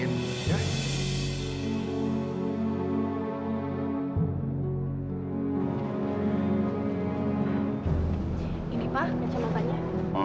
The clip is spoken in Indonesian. ini pak rujuknya